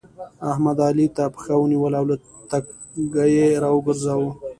احمد؛ علي ته پښه ونيوله او له تګه يې راوګرځاوو.